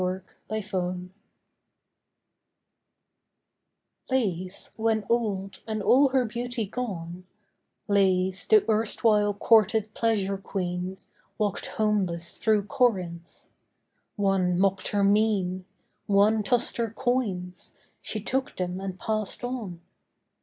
LAIS WHEN OLD Lais, when old and all her beauty gone, Lais, the erstwhile courted pleasure queen, Walked homeless through Corinth. One mocked her mien— One tossed her coins; she took them and passed on.